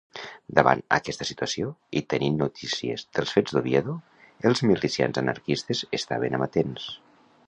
Davant aquesta situació, i tenint notícies dels fets d'Oviedo, els milicians anarquistes estaven amatents.